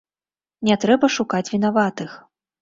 Не трэба шукаць вінаватых.